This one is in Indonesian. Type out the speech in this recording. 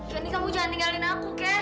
ini kamu jangan tinggalin aku ken